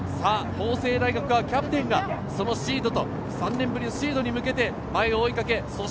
法政大学がキャプテンがそのシードと３年ぶりシードに向けて、前を追いかけます。